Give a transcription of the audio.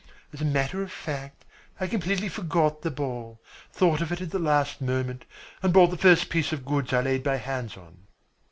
As a matter of fact, I completely forgot the ball, thought of it at the last moment, and bought the first piece of goods I laid my hands on."